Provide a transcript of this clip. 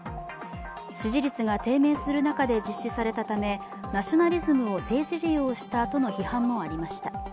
支持率が低迷する中で実施されたためナショナリズムを政治利用したとの批判もありました。